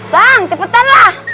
bang cepetan lah